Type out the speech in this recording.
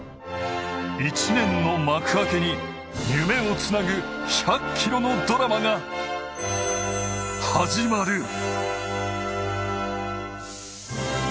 １年の幕開けに夢をつなぐ１００ｋｍのドラマが始まる。